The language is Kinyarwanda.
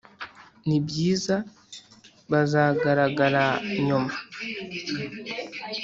nibyiza, bazagaragara nyuma.